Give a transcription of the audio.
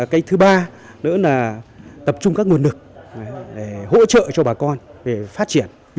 cái thứ ba nữa là tập trung các nguồn lực để hỗ trợ cho bà con về phát triển